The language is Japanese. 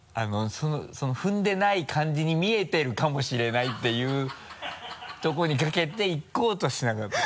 踏んでない感じに見えてるかもしれないっていうところにかけていこうとしなかった？